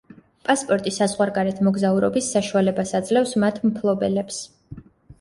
პასპორტი საზღვარგარეთ მოგზაურობის საშუალებას აძლევს მათ მფლობელებს.